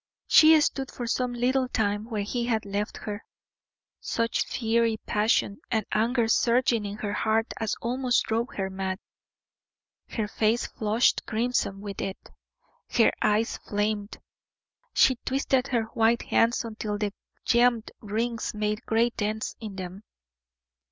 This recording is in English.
She stood for some little time where he had left her. Such fiery passion and anger surging in her heart as almost drove her mad. Her face flushed crimson with it, her eyes flamed, she twisted her white hands until the gemmed rings made great dents in them.